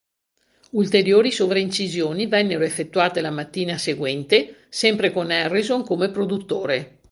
Ulteriori sovraincisioni vennero effettuate la mattina seguente, sempre con Harrison come produttore.